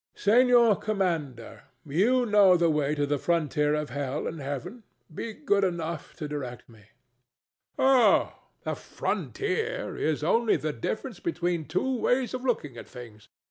Senor Commander: you know the way to the frontier of hell and heaven. Be good enough to direct me. THE STATUE. Oh, the frontier is only the difference between two ways of looking at things.